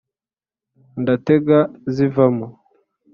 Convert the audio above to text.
ndatega zivamo”